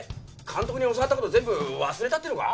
監督に教わった事全部忘れたっていうのか？